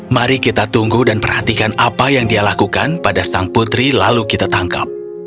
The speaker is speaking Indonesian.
jadi kita tunggu dan perhatikan apa yang dia lakukan pada sang putri lalu kita tangkap